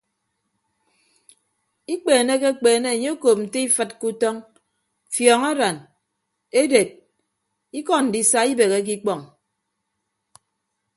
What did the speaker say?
Ikpeenekekpeene enye okop nte ifịd ke utọñ fiọñaran eded ikọ ndisa ibeheke ikpọñ.